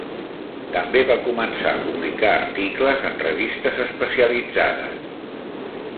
També va començar a publicar articles en revistes especialitzades.